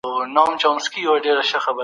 فشار د غوسې چانس زیاتوي.